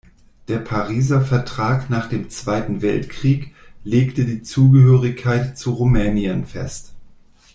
Der Pariser Vertrag nach dem Zweiten Weltkrieg legte die Zugehörigkeit zu Rumänien fest.